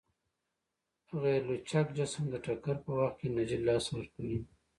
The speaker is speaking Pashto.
غیرلچک جسم د ټکر په وخت کې انرژي له لاسه ورکوي.